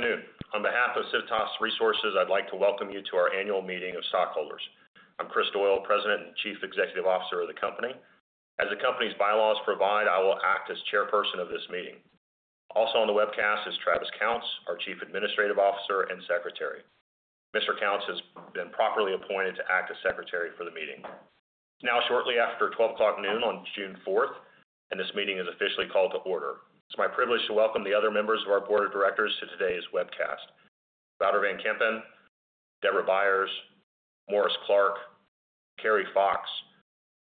Good afternoon. On behalf of Civitas Resources, I'd like to welcome you to our annual meeting of stockholders. I'm Chris Doyle, President and Chief Executive Officer of the company. As the company's bylaws provide, I will act as chairperson of this meeting. Also on the webcast is Travis Counts, our Chief Administrative Officer and Secretary. Mr. Counts has been properly appointed to act as secretary for the meeting. It's now shortly after 12:00 P.M. on June 4th, and this meeting is officially called to order. It's my privilege to welcome the other members of our board of directors to today's webcast. Wouter van Kempen, Deborah Byers, Morris Clark, Carrie Fox,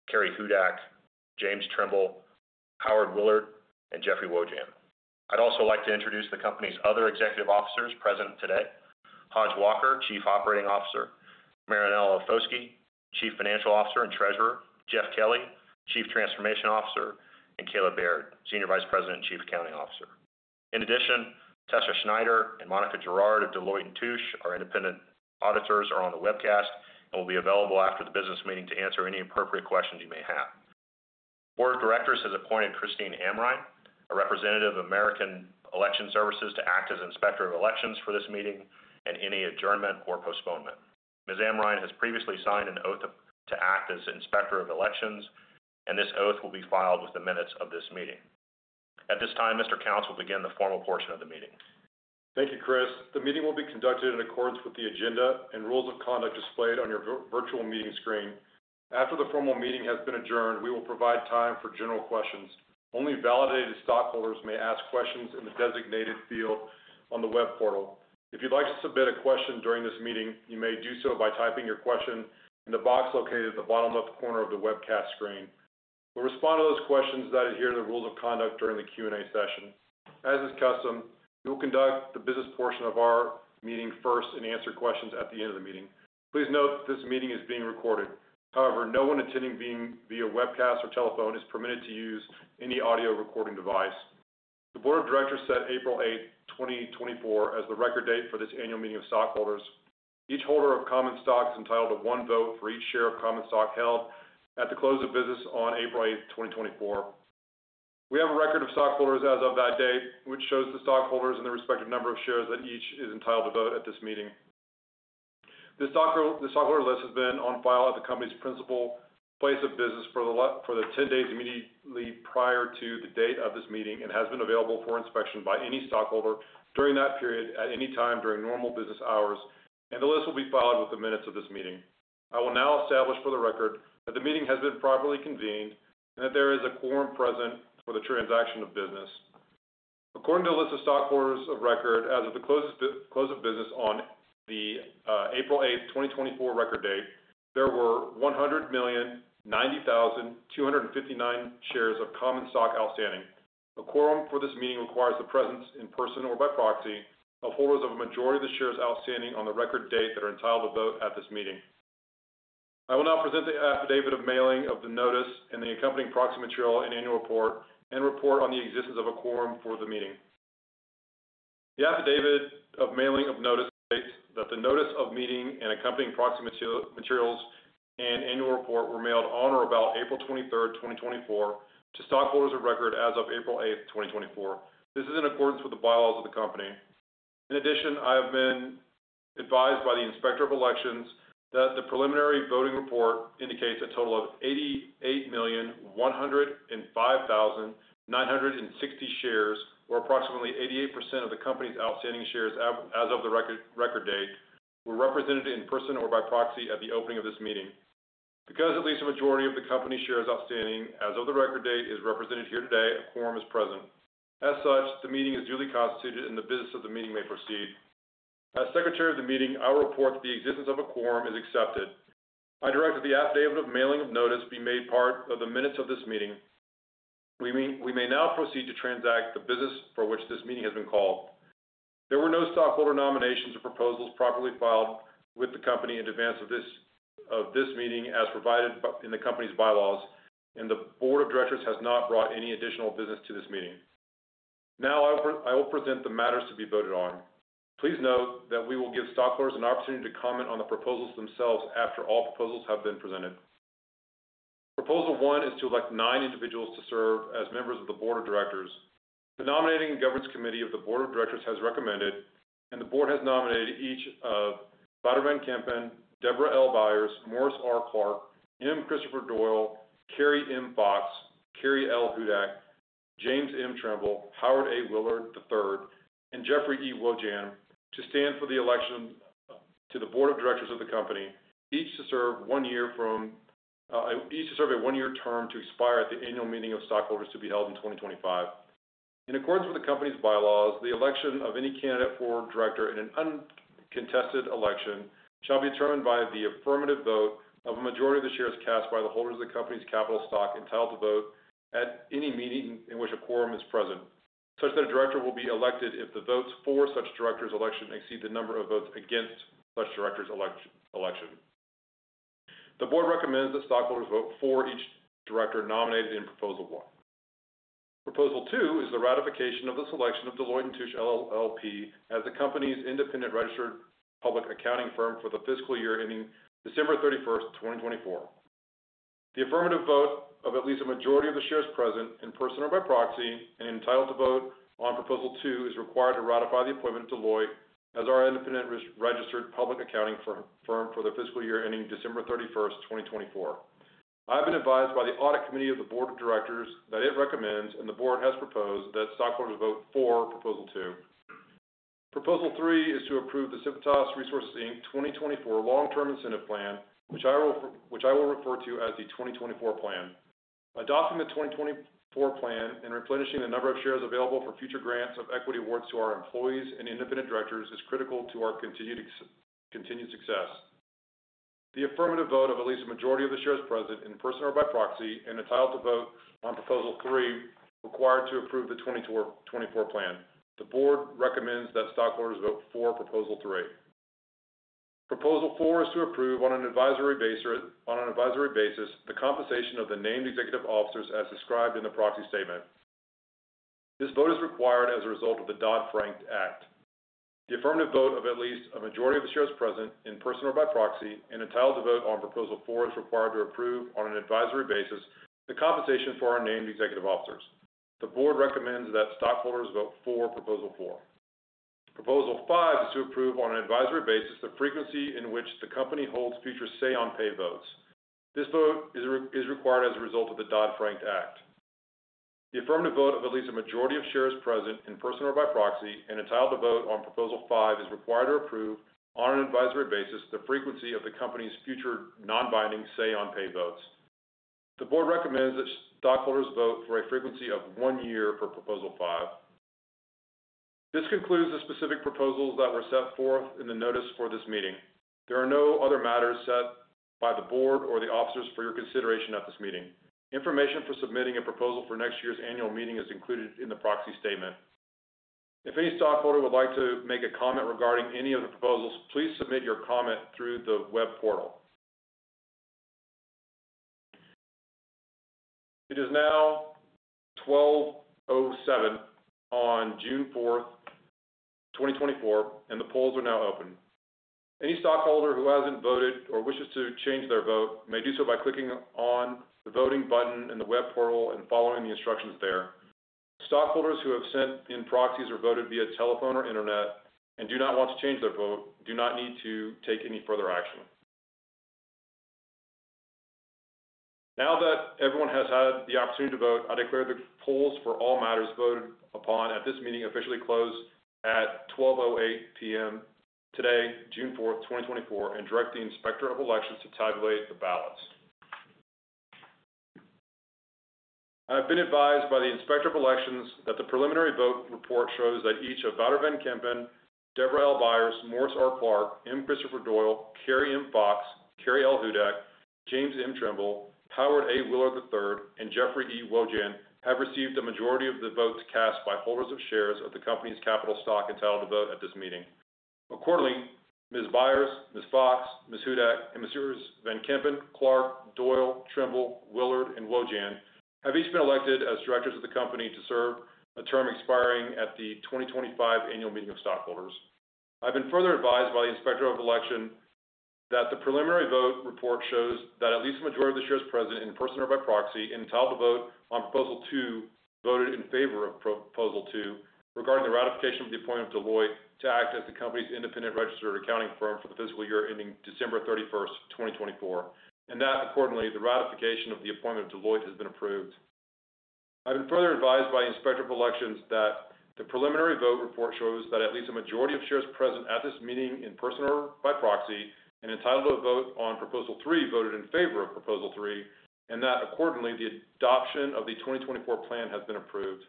Carrie Hudak, James Trimble, Howard Willard, and Jeffrey Wojahn. I'd also like to introduce the company's other executive officers present today. Hodge Walker, Chief Operating Officer, Marianella Foschi, Chief Financial Officer and Treasurer, Jeff Kelly, Chief Transformation Officer, and Kayla Baird, Senior Vice President and Chief Accounting Officer. In addition, Tessa Schneider and Monica Gerard of Deloitte & Touche, our independent auditors, are on the webcast and will be available after the business meeting to answer any appropriate questions you may have. Board of Directors has appointed Christine Amrhein, a representative of American Election Services, to act as Inspector of Elections for this meeting and any adjournment or postponement. Ms. Amrhein has previously signed an oath of-- to act as Inspector of Elections, and this oath will be filed with the minutes of this meeting. At this time, Mr. Counts will begin the formal portion of the meeting. Thank you, Chris. The meeting will be conducted in accordance with the agenda and rules of conduct displayed on your virtual meeting screen. After the formal meeting has been adjourned, we will provide time for general questions. Only validated stockholders may ask questions in the designated field on the web portal. If you'd like to submit a question during this meeting, you may do so by typing your question in the box located at the bottom left corner of the webcast screen. We'll respond to those questions that adhere to the rules of conduct during the Q&A session. As is custom, we will conduct the business portion of our meeting first and answer questions at the end of the meeting. Please note that this meeting is being recorded. However, no one attending via webcast or telephone is permitted to use any audio recording device. The board of directors set April 8th, 2024, as the record date for this annual meeting of stockholders. Each holder of common stock is entitled to one vote for each share of common stock held at the close of business on April 8th, 2024. We have a record of stockholders as of that date, which shows the stockholders and the respective number of shares that each is entitled to vote at this meeting. The stockholder list has been on file at the company's principal place of business for the 10 days immediately prior to the date of this meeting, and has been available for inspection by any stockholder during that period, at any time during normal business hours, and the list will be filed with the minutes of this meeting. I will now establish for the record that the meeting has been properly convened and that there is a quorum present for the transaction of business. According to the list of stockholders of record, as of the close of business on the April 8, 2024 record date, there were 100,090,259 shares of common stock outstanding. A quorum for this meeting requires the presence in person or by proxy of holders of a majority of the shares outstanding on the record date that are entitled to vote at this meeting. I will now present the affidavit of mailing of the notice and the accompanying proxy material and annual report, and report on the existence of a quorum for the meeting. The affidavit of mailing of notice states that the notice of meeting and accompanying proxy materials and annual report were mailed on or about April 23rd, 2024, to stockholders of record as of April 8th, 2024. This is in accordance with the bylaws of the company. In addition, I have been advised by the Inspector of Elections that the preliminary voting report indicates a total of 88,105,960 shares, or approximately 88% of the company's outstanding shares as of the record date were represented in person or by proxy at the opening of this meeting. Because at least a majority of the company's shares outstanding as of the record date is represented here today, a quorum is present. As such, the meeting is duly constituted and the business of the meeting may proceed. As secretary of the meeting, I will report the existence of a quorum is accepted. I direct that the affidavit of mailing of notice be made part of the minutes of this meeting. We may now proceed to transact the business for which this meeting has been called. There were no stockholder nominations or proposals properly filed with the company in advance of this meeting, as provided in the company's bylaws, and the board of directors has not brought any additional business to this meeting. Now, I will present the matters to be voted on. Please note that we will give stockholders an opportunity to comment on the proposals themselves after all proposals have been presented. Proposal one is to elect nine individuals to serve as members of the board of directors. The Nominating and Governance Committee of the Board of Directors has recommended, and the board has nominated each of Wouter van Kempen, Deborah L. Byers, Morris R. Clark, M. Christopher Doyle, Carrie M. Fox, Carrie L. Hudak, James M. Trimble, Howard A. Willard III, and Jeffrey E. Wojahn, to stand for the election, to the Board of Directors of the company, each to serve a one-year term to expire at the annual meeting of stockholders to be held in 2025. In accordance with the company's bylaws, the election of any candidate for director in an uncontested election shall be determined by the affirmative vote of a majority of the shares cast by the holders of the company's capital stock entitled to vote at any meeting in which a quorum is present, such that a director will be elected if the votes for such director's election exceed the number of votes against such director's election. The board recommends that stockholders vote for each director nominated in Proposal One. Proposal Two is the ratification of the selection of Deloitte & Touche LLP as the company's independent registered public accounting firm for the fiscal year ending December 31st, 2024. The affirmative vote of at least a majority of the shares present, in person or by proxy, and entitled to vote on Proposal Two, is required to ratify the appointment of Deloitte as our independent registered public accounting firm for the fiscal year ending December 31st, 2024. I have been advised by the Audit Committee of the Board of Directors that it recommends, and the board has proposed, that stockholders vote for Proposal Two. Proposal Three is to approve the Civitas Resources, Inc. 2024 Long-Term Incentive Plan, which I will refer to as the 2024 plan. Adopting the 2024 plan and replenishing the number of shares available for future grants of equity awards to our employees and independent directors is critical to our continued success. The affirmative vote of at least a majority of the shares present, in person or by proxy, and entitled to vote on Proposal Three, required to approve the 2024 plan. The board recommends that stockholders vote for Proposal Three. Proposal Four is to approve on an advisory basis, the compensation of the named executive officers as described in the Proxy Statement. This vote is required as a result of the Dodd-Frank Act. The affirmative vote of at least a majority of the shares present, in person or by proxy, and entitled to vote on Proposal Four, is required to approve, on an advisory basis, the compensation for our named executive officers. The board recommends that stockholders vote for Proposal Four. Proposal Five is to approve, on an advisory basis, the frequency in which the company holds future say-on-pay votes. This vote is required as a result of the Dodd-Frank Act. The affirmative vote of at least a majority of shares present, in person or by proxy, and entitled to vote on Proposal Five, is required to approve, on an advisory basis, the frequency of the company's future non-binding say-on-pay votes. The board recommends that stockholders vote for a frequency of one year for Proposal Five. This concludes the specific proposals that were set forth in the notice for this meeting. There are no other matters set by the board or the officers for your consideration at this meeting. Information for submitting a proposal for next year's annual meeting is included in the proxy statement. If any stockholder would like to make a comment regarding any of the proposals, please submit your comment through the web portal. It is now 12:07 P.M. on June 4th, 2024, and the polls are now open. Any stockholder who hasn't voted or wishes to change their vote may do so by clicking on the voting button in the web portal and following the instructions there. Stockholders who have sent in proxies or voted via telephone or internet and do not want to change their vote, do not need to take any further action. Now that everyone has had the opportunity to vote, I declare the polls for all matters voted upon at this meeting officially closed at 12:08 P.M. today, June 4th, 2024, and direct the Inspector of Elections to tabulate the ballots. I've been advised by the Inspector of Elections that the preliminary vote report shows that each of Wouter van Kempen, Deborah Byers, Morris Clark, M. Christopher Doyle, Carrie M. Fox, Carrie L. Hudak, James M. Trimble, Howard A. Willard III, and Jeffrey E. Wojahn have received the majority of the votes cast by holders of shares of the company's capital stock entitled to vote at this meeting. Accordingly, Ms. Byers, Ms. Fox, Ms. Hudak, and Messrs van Kempen, Clark, Doyle, Trimble, Willard, and Wojahn, have each been elected as directors of the company to serve a term expiring at the 2025 annual meeting of stockholders. I've been further advised by the Inspector of Elections that the preliminary vote report shows that at least the majority of the shares present, in person or by proxy, entitled to vote on Proposal Two, voted in favor of Proposal Two regarding the ratification of the appointment of Deloitte to act as the company's independent registered accounting firm for the fiscal year ending December 31st, 2024, and that accordingly, the ratification of the appointment of Deloitte has been approved. I've been further advised by Inspector of Elections that the preliminary vote report shows that at least a majority of shares present at this meeting, in person or by proxy, and entitled to a vote on Proposal Three, voted in favor of Proposal Three, and that accordingly, the adoption of the 2024 plan has been approved.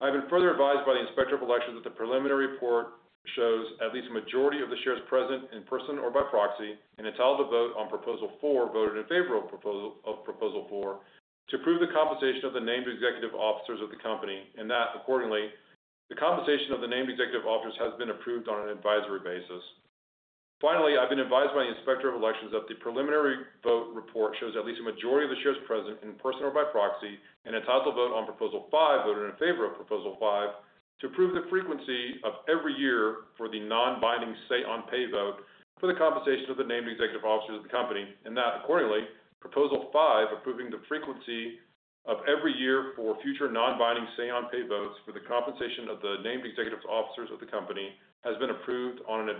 I've been further advised by the Inspector of Elections that the preliminary report shows at least a majority of the shares present, in person or by proxy, and entitled to vote on Proposal Four, voted in favor of Proposal Four to approve the compensation of the named executive officers of the company, and that accordingly, the compensation of the named executive officers has been approved on an advisory basis. Finally, I've been advised by the Inspector of Elections that the preliminary vote report shows at least a majority of the shares present, in person or by proxy, and entitled to vote on Proposal Five, voted in favor of Proposal Five, to approve the frequency of every year for the non-binding say-on-pay vote for the compensation of the named executive officers of the company. That accordingly, Proposal 5, approving the frequency of every year for future non-binding say-on-pay votes for the compensation of the named executive officers of the company, has been approved on an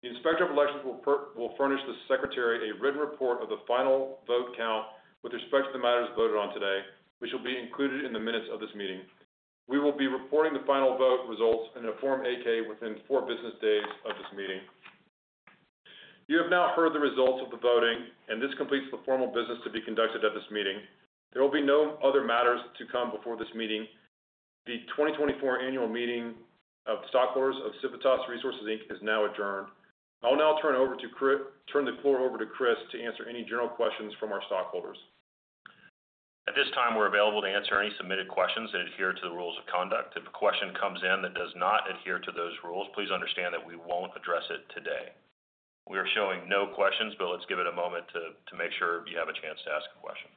advisory basis. The Inspector of Elections will furnish the secretary a written report of the final vote count with respect to the matters voted on today, which will be included in the minutes of this meeting. We will be reporting the final vote results in a Form 8-K within four business days of this meeting. You have now heard the results of the voting, and this completes the formal business to be conducted at this meeting. There will be no other matters to come before this meeting. The 2024 Annual Meeting of Stockholders of Civitas Resources Inc. is now adjourned. I'll now turn the floor over to Chris to answer any general questions from our stockholders. At this time, we're available to answer any submitted questions that adhere to the rules of conduct. If a question comes in that does not adhere to those rules, please understand that we won't address it today. We are showing no questions, but let's give it a moment to make sure you have a chance to ask a question.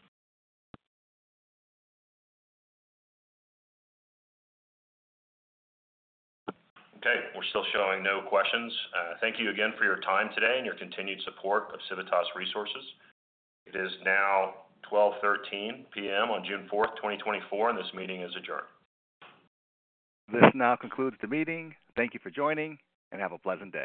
Okay, we're still showing no questions. Thank you again for your time today and your continued support of Civitas Resources. It is now 12:13 P.M. on June 4th, 2024, and this meeting is adjourned. This now concludes the meeting. Thank you for joining, and have a pleasant day.